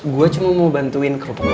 gue cuma mau bantuin kerupuk lo ya